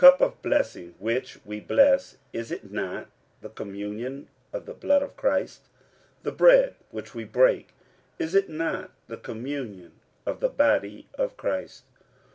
46:010:016 The cup of blessing which we bless, is it not the communion of the blood of Christ? The bread which we break, is it not the communion of the body of Christ?